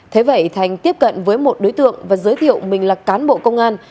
thế vậy thành tiếp cận với một đối tượng và giới thiệu mình là cán bộ công an